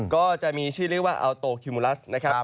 ก็จะมีชื่อเรียกว่าอัลโตคิวมูลัสนะครับ